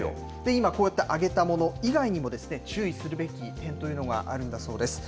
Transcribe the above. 今、こうやって挙げたもの以外にも、注意するべき点というのがあるんだそうです。